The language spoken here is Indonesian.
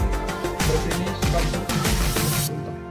baju ini sekali dicuci sudah muntah